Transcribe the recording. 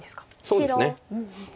そうですね。